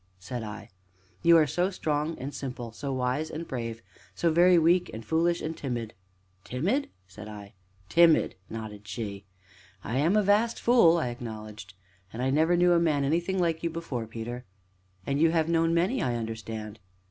said I. "You are so strong and simple so wise and brave and so very weak and foolish and timid!" "Timid?" said I. "Timid!" nodded she. "I am a vast fool!" I acknowledged. "And I never knew a man anything like you before, Peter!" "And you have known many, I understand?"